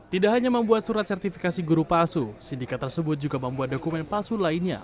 tidak hanya membuat surat sertifikasi guru palsu sindikat tersebut juga membuat dokumen palsu lainnya